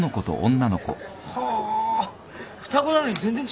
はあ双子なのに全然違うんだな。